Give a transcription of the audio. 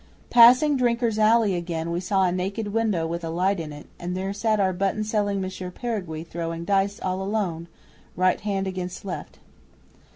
Passing Drinker's Alley again we saw a naked window with a light in it, and there sat our button selling Monsieur Peringuey throwing dice all alone, right hand against left.